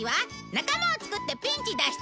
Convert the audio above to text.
仲間を作ってピンチ脱出！